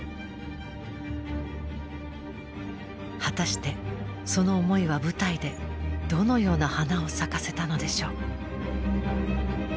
果たしてその思いは舞台でどのような花を咲かせたのでしょう？